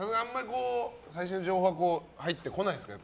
最新の情報があんまり入ってこないですか？